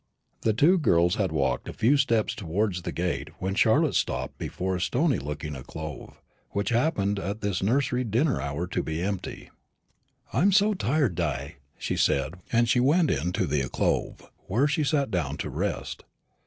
The two girls had walked a few steps towards the gate when Charlotte stopped before a stony looking alcove, which happened at this nursery dinner hour to be empty. "I'm so tired, Di," she said, and went into the alcove, where she sat down to rest.